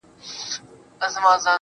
چي لمن د شپې خورېږي ورځ تېرېږي.